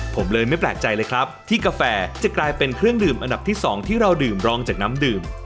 ผมเลยไม่แปลกใจเลยครับที่กาแฟจะกลายเป็นเครื่องดื่มอันดับที่สองที่เราดื่มรองจากน้ำดื่ม